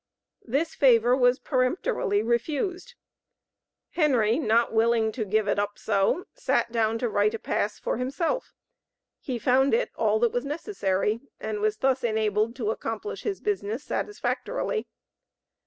This favor was peremptorily refused. Henry, "not willing to give it up so," sat down to write a pass for himself; he found it all that was necessary, and was thus enabled to accomplish his business satisfactorily.